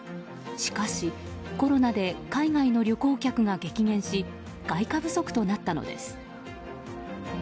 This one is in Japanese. しかしコロナで海外の旅行客が激減し外貨不足となったのです。